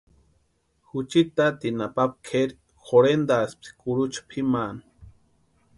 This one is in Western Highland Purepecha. Juchi taatininha papa kʼeri jorhentʼaspti kurucha pʼimaani.